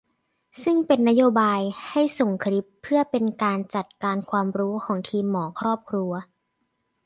ซึ่งเป็นนโยบายให้ส่งคลิปเพื่อเป็นการจัดการความรู้ของทีมหมอครอบครัว